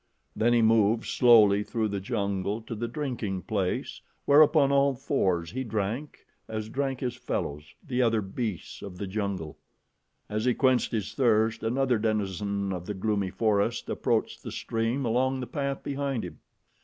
Then he moved slowly through the jungle to the drinking place, where, upon all fours, he drank as drank his fellows, the other beasts of the jungle. As he quenched his thirst, another denizen of the gloomy forest approached the stream along the path behind him.